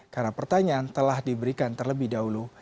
karena pertanyaan telah diberikan terlebih dahulu